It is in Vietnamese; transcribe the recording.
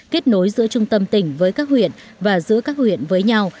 kết nối giữa trung tâm tỉnh với các huyện và giữa các huyện với nhau